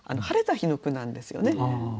晴れた日の句なんですよね。